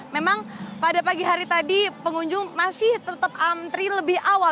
memang pada pagi hari tadi pengunjung masih tetap antri lebih awal